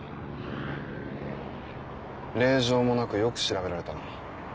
令状もなくよく調べられたな。